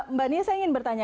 mbak nia saya ingin bertanya